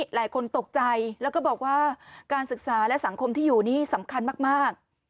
หลายคนตกใจแล้วก็บอกว่าการศึกษาและสังคมที่อยู่นี่สำคัญมาก